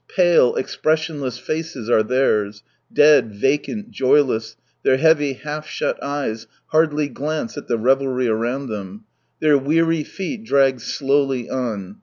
Pale, expressionless faces are theirs; dead, vacant, joyless, their heavy half shut eyes hardly glance at the revelry around them. Their weary feet drag slowly on.